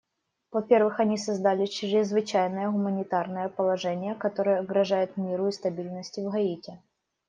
Во-первых, они создали чрезвычайное гуманитарное положение, которое угрожает миру и стабильности в Гаити.